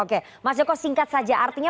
oke mas joko singkat saja artinya